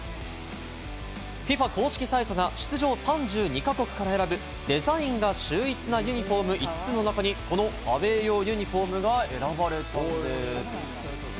ＦＩＦＡ公式サイトが出場３２か国から選ぶデザインが秀逸なユニホーム５つの中に、このアウェー用ユニホームが選ばれたんです。